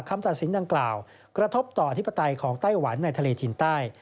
คำตัดสินดังกล่าวกระทบต่ออธิปไตยของไต้หวันในทะเลจีนใต้